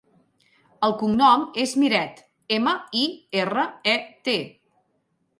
El cognom és Miret: ema, i, erra, e, te.